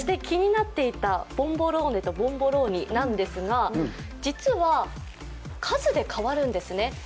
気になっていたボンボローネとボンボローニですが、実は数で変わるんですね。